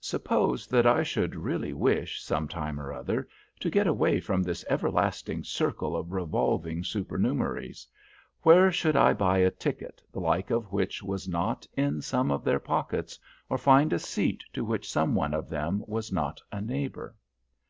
Suppose that I should really wish; some time or other, to get away from this everlasting circle of revolving supernumeraries, where should I buy a ticket the like of which was not in some of their pockets, or find a seat to which some one of them was not a neighbor.